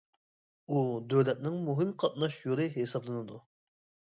ئۇ دۆلەتنىڭ مۇھىم قاتناش يولى ھېسابلىنىدۇ.